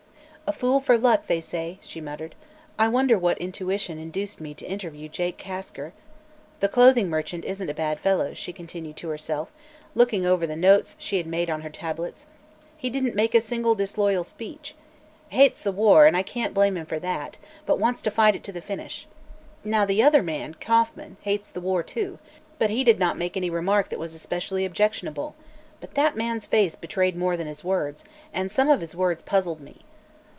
"A fool for luck, they say," she muttered. "I wonder what intuition induced me to interview Jake Kasker. The clothing merchant isn't a bad fellow," she continued to herself, looking over the notes she had made on her tablets. "He didn't make a single disloyal speech. Hates the war, and I can't blame him for that, but wants to fight it to a finish. Now, the other man Kauffman hates the war, too, but he did not make any remark that was especially objectionable; but that man's face betrayed more than his words, and some of his words puzzled me.